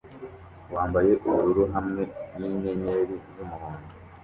wambaye ubururu hamwe ninyenyeri z'umuhondo